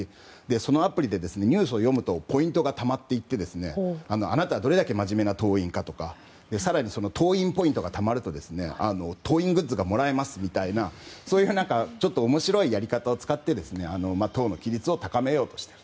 そのアプリでニュースを読むとポイントがたまっていってあなたはどれだけ真面目な党員かとか更に党員ポイントがたまると党員グッズがもらえますみたいなそういう面白いやり方を使って党の規律を高めようとしている。